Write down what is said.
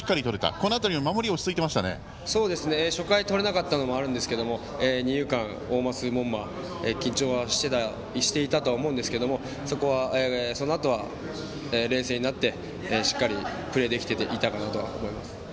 この辺り初回とれなかったのもありますが二遊間、大舛と門間緊張はしていたと思うんですけどそのあとは冷静になってしっかりプレーできていたかなと思います。